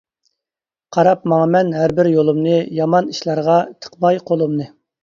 قاراپ ماڭىمەن ھەربىر يولۇمنى، يامان ئىشلارغا تىقماي قولۇمنى.